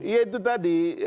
iya itu tadi